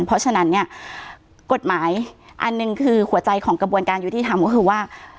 เพราะฉะนั้นเนี่ยกฎหมายอันหนึ่งคือหัวใจของกระบวนการยุติธรรมก็คือว่า